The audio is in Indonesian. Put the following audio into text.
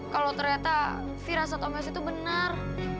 kalau ternyata firasat omset itu benar